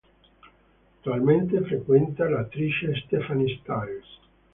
Attualmente frequenta l'attrice Stephanie Styles.